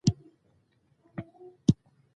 لمونځ د قیامت په ورځ د نجات یوه وسیله ده.